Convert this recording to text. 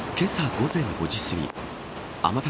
午前５時すぎ天達